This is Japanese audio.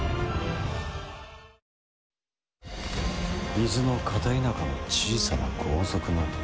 伊豆の片田舎の小さな豪族の次男坊。